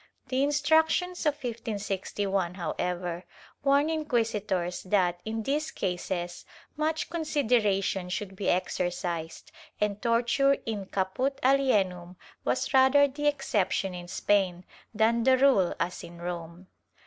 The Instructions of 1561, however, warn inquisitors that in these cases much consideration should be exercised and tor ture in caput alienum was rather the exception in Spain, than the rule as in Rome.